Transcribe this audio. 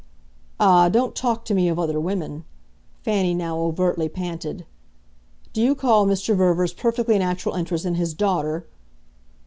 "Ah, don't talk to me of other women!" Fanny now overtly panted. "Do you call Mr. Verver's perfectly natural interest in his daughter